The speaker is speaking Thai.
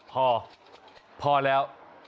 พอพอแล้ว